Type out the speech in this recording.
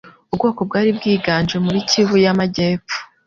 ubwoko bwari bwiganje muri Kivu y'Amajyepfo.